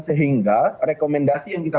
sehingga rekomendasi yang kita